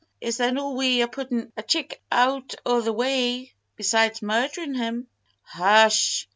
Is there no way o' puttin' a chick out o' the way besides murderin' him?" "Hush!"